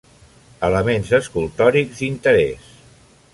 Elements escultòrics d'interès.